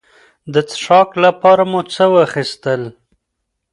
د څښاک لپاره مو څه واخیستل.